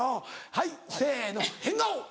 はいせの変顔！